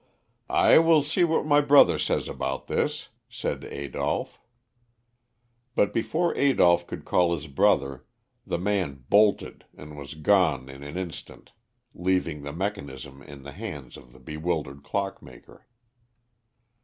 "I will see what my brother says about this," said Adolph. But before Adolph could call his brother, the man bolted and was gone in an instant, leaving the mechanism in the hands of the bewildered clockmaker.